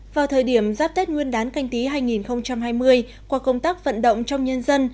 vào thời điểm giáp tết nguyên đán canh tí hai nghìn hai mươi qua công tác vận động trong nhân dân